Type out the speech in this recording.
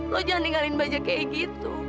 lo jangan ninggalin bajak kayak gitu